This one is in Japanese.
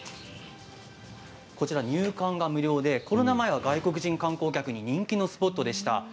入館が無料でコロナ前は外国人観光客に人気のスポットでした。